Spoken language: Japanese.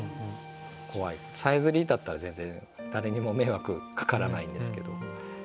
「さえずり」だったら全然誰にも迷惑かからないんですけど。